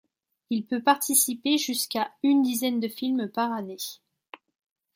Il peut participer jusqu'à une dizaine de films par année.